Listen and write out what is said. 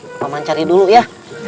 paman main cari dulu ya